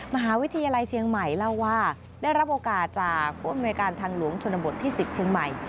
มหาวิทยาลัยเชียงใหม่เล่าว่าได้รับโอกาสจากผู้อำนวยการทางหลวงชนบทที่๑๐เชียงใหม่